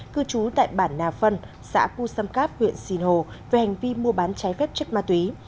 cư trú tại bản nà phân xã cu xâm cáp huyện sinh hồ về hành vi mua bán trái phép chất ma túy